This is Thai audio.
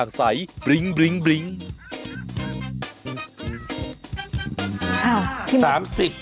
อ้าวที่หมด